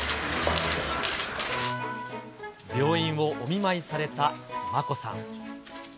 病院をお見舞いされた眞子さん。